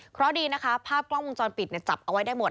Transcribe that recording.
เพราะดีนะคะภาพกล้องวงจรปิดจับเอาไว้ได้หมด